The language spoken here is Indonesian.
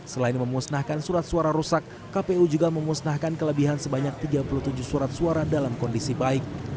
selain memusnahkan surat suara rusak kpu juga memusnahkan kelebihan sebanyak tiga puluh tujuh surat suara dalam kondisi baik